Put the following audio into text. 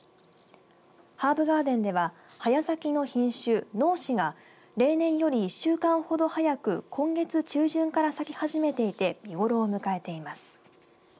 ハーブガーデンでは早咲きの品種、濃紫が例年より１週間ほど早く今月中旬から咲き始めていて見頃を迎えています。